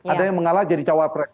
ada yang mengalah jadi cawapres